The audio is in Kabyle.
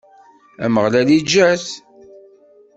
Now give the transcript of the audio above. Ameɣlal iǧǧa-t.